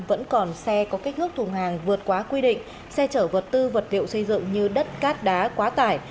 vẫn còn xe có kích thước thùng hàng vượt quá quy định xe chở vật tư vật liệu xây dựng như đất cát đá quá tải